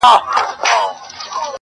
مور د ټولني فشار زغمي ډېر,